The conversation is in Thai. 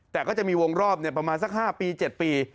แต่ก็จะมีวงรอบประมาณสัก๕ปี๗ปี